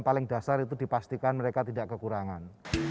paling dasar itu dipastikan mereka tidak kekurangan